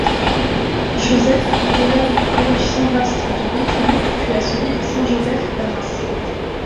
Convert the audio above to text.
Joseph est élève au collège Saint-Vaast de Béthune puis à celui de Saint-Joseph d’Arras.